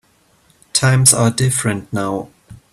Times are different now.